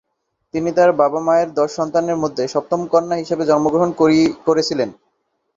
তিনি তাঁর বাবা-মায়ের দশ সন্তানের মধ্যে সপ্তম কন্যা হিসাবে জন্মগ্রহণ করেছিলেন।